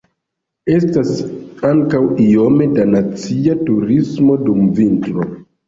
Estas ankaŭ iome da nacia turismo dum vintro.